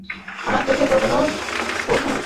আমার চোখে তো কোনো পড়ছে না।